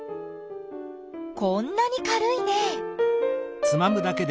こんなに軽いね。